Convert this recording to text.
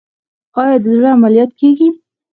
آیا د زړه عملیات کیږي؟